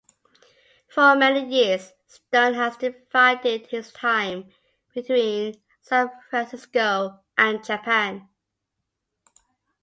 For many years, Stone has divided his time between San Francisco and Japan.